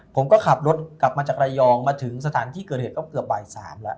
ผมก็ขับรถกลับมาจากระยองมาถึงสถานที่เกิดเหตุก็เกือบบ่าย๓แล้ว